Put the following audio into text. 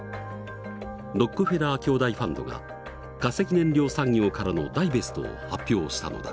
ロックフェラー兄弟ファンドが化石燃料産業からのダイベストを発表したのだ。